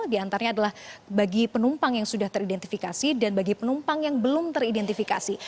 di antaranya adalah bagi penumpang yang sudah teridentifikasi dan bagi penumpang yang belum teridentifikasi